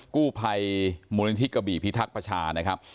กู้ภัยมูลนิธิกระบี่พิทักษ์ประชานะครับ